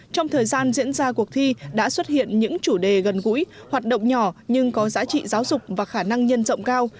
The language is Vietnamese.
trong thời gian diễn ra cuộc thi đã xuất hiện những chủ đề gần gũi hoạt động nhỏ nhưng có giá trị giáo dục và khả năng nhân rộng cao